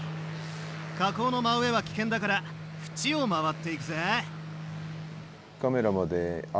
火口の真上は危険だから縁を回っていくぜ。